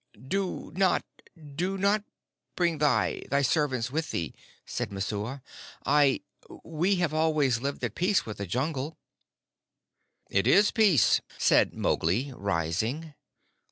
"Do not do not bring thy thy servants with thee," said Messua. "I we have always lived at peace with the Jungle." "It is peace," said Mowgli, rising.